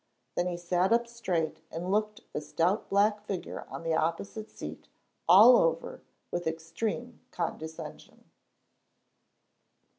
Then he sat up straight and looked the stout black figure on the opposite seat all over with extreme condescension.